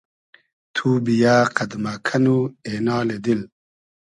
تو بییۂ قئد مۂ کئنو اېنالی دیل